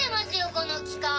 この機械。